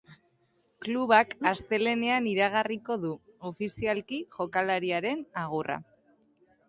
Klubak astelehenean iragarriko du, ofizialki, jokalariaren agurra.